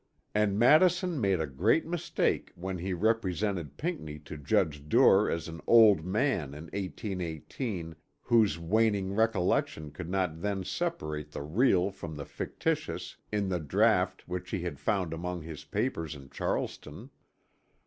And Madison made a great mistake when he represented Pinckney to Judge Duer as an old man in 1818 whose waning recollection could not then separate the real from the fictitious in the draught which he had found among his papers in Charleston.